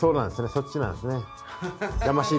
そっちなんですね。